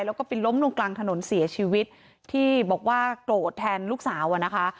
แล้วก็ไปล้มลงกลางถนนเสียชีวิตที่บอกว่าโกรธแทนลูกสาวอ่ะนะคะ